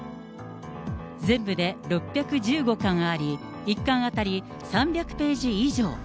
全部で６１５巻あり、１巻当たり３００ページ以上。